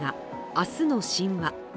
「明日の神話」。